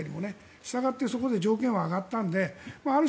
したがってそこで条件は上がったのである種